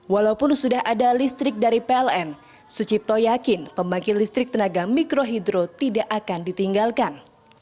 walaupun sudah ada listrik dari pln sucipto yakin pembangkit listrik tenaga mikrohidro tidak akan ditinggalkan